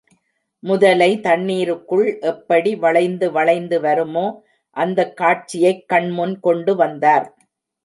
முதலை தண்ணீருக்குள் எப்படி வளைந்து வளைந்து வருமோ அந்தக் காட்சியைக் கண்முன் கொண்டு வந்தார்.